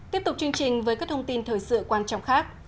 tiếp tục chương trình với các thông tin thời sự quan trọng khác